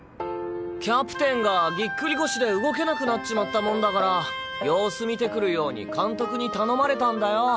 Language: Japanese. キャプテンがぎっくり腰で動けなくなっちまったもんだから様子見てくるように監督に頼まれたんだよ。